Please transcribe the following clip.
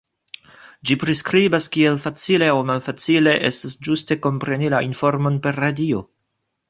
Ĝi priskribas kiel facile aŭ malfacile estas ĝuste kompreni la informon per radio.